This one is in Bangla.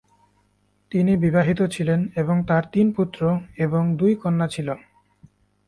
তিনি বিবাহিত ছিলেন এবং তার তিন পুত্র এবং দুই কন্যা ছিল।